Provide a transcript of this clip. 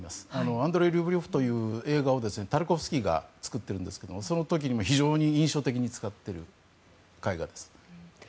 「アンドレイ・ルブリョフ」という映画をタルコフスキーが作っているんですがその時にも非常に印象的に使っている絵画です。